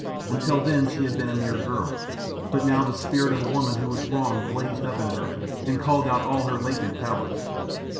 Until then she had been a mere girl; but now the spirit of a woman who was wronged blazed up in her and called out all her latent powers.